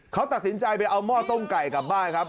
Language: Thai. เขาตัดสินใจไปเอาหม้อต้มไก่กลับบ้านครับ